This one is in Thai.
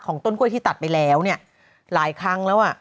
ของต้นกล้วยที่ตัดไปแล้วหลายครั้งแล้ว